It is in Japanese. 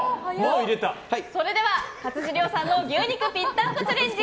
それでは勝地涼さんの牛肉ぴったんこチャレンジ